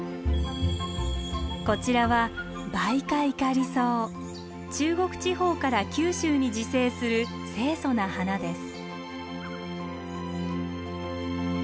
こちらは中国地方から九州に自生する清楚な花です。